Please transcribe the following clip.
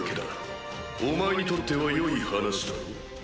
お前にとっては良い話だろう？